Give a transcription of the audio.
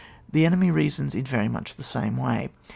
The enemy reasons in very much the same way.